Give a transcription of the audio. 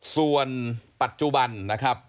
ส่วนปัจจุบันนะครับ